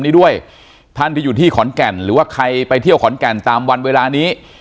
นี้ด้วยท่านที่อยู่ที่ขอนแก่นหรือว่าใครไปเที่ยวขอนแก่นตามวันเวลานี้